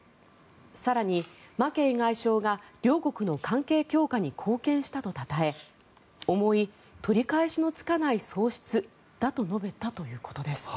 更に、マケイ外相が両国の関係強化に貢献したとたたえ重い取り返しのつかない喪失だと述べたということです。